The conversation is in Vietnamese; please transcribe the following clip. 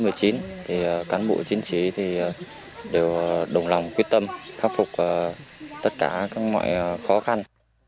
thì cán bộ chiến sĩ đều đồng lòng quyết tâm khắc phục tất cả các mọi khó khăn